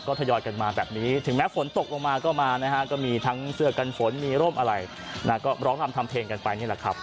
ก็ทยอดกันมาแบบนี้ถึงแม้ฝนตกลงมาก็มาก็มีทั้งเสื้อกันฝนมีร่มอะไรก็ร้องรำทำเพลงกันไป